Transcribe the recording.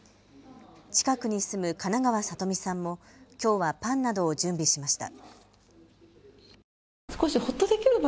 近くに住む金川聡美さんもきょうはパンなどを準備しました。